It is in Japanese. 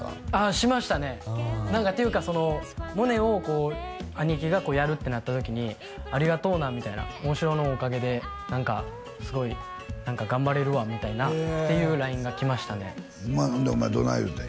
しましたねていうか「モネ」を兄貴がやるってなった時にありがとうなみたいな旺志郎のおかげですごい頑張れるわみたいなていうＬＩＮＥがきましたねでお前どない言うたん？